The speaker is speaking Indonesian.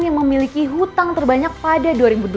yang memiliki hutang terbanyak pada dua ribu dua puluh satu